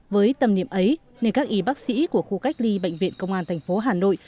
với tầm niệm ấy nên các y bác sĩ của khu cách ly bệnh viện công an tp hà nội